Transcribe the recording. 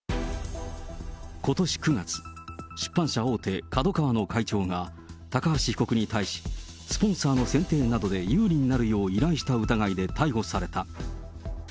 ことし９月、出版社大手、ＫＡＤＯＫＡＷＡの会長が、高橋被告に対し、スポンサーの選定などで有利になるよう依頼した疑いで逮捕された。